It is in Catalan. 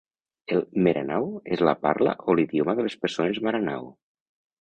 El "Meranaw" és la parla o l"idioma de les persones maranao.